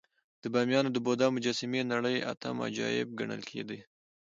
د بامیانو د بودا مجسمې د نړۍ اتم عجایب ګڼل کېدې